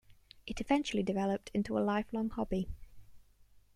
It eventually developed into a lifelong hobby.